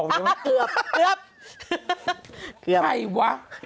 กลัวตัวเกือบใครวะ